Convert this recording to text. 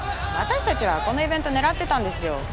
私たちはこのイベント狙ってたんですよ。